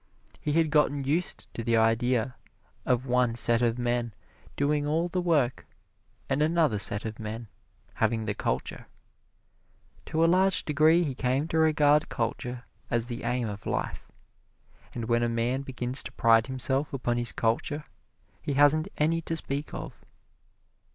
He had gotten used to the idea of one set of men doing all the work and another set of men having the culture. To a large degree he came to regard culture as the aim of life. And when a man begins to pride himself upon his culture, he hasn't any to speak of.